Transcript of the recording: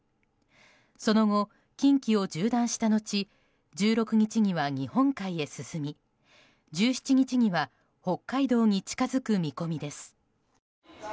その後、近畿を縦断した後１６日には日本海へ進み１７日には北海道に近づく見込みです。